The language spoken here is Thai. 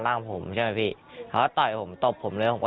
โดนไม่อยู่กี่นาทีครับโดนอะไรบ้าง